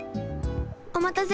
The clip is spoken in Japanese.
おまたせ。